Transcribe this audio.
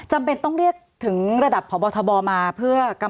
สวัสดีครับทุกคน